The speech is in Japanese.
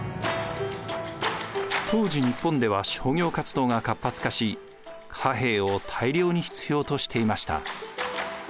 当時日本では商業活動が活発化し貨幣を大量に必要としていました。